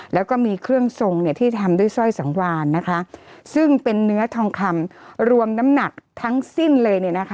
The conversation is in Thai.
แล้วก็มีเครื่องทรงที่ทำด้วยสร้อยสังวานนะคะซึ่งเป็นเนื้อทองคำรวมน้ำหนักทั้งสิ้นเลยเนี่ยนะคะ